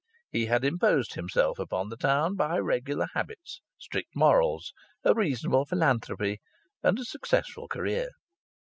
He had imposed himself upon the town by regular habits, strict morals, a reasonable philanthropy, and a successful career.